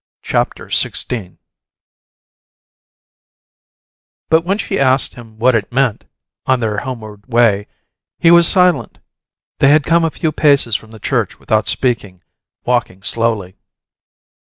CHAPTER XVI But when she asked him what it meant, on their homeward way, he was silent. They had come a few paces from the church without speaking, walking slowly.